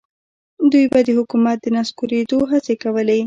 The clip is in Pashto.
دوی به د حکومت د نسکورېدو هڅې کولې.